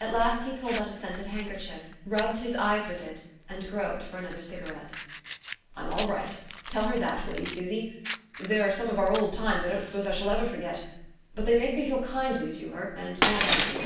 At last he pulled out a scented handkerchief, rubbed his eyes with it, and groped for another cigarette. "I'm all right! Tell her that, will you, Susy? There are some of our old times I don't suppose I shall ever forget; but they make me feel kindly to her, and not angry.